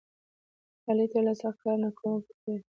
علي تل له سخت کار نه کونه پټوي.